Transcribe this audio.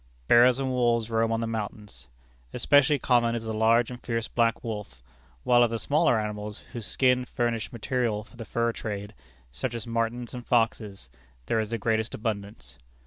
Bears and wolves roam on the mountains. Especially common is the large and fierce black wolf; while of the smaller animals, whose skins furnish material for the fur trade, such as martins and foxes, there is the greatest abundance.